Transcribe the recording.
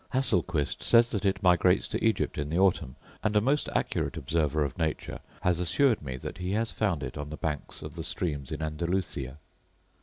Hasselquist says that it migrates to Egypt in the autumn: and a most accurate observer of nature has assured me that he has found it on the banks of the streams in Andalusia.